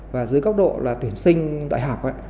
và dưới góc độ là tuyển sinh đại học